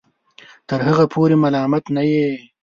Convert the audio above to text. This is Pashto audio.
تر هغه پورې ملامت نه یې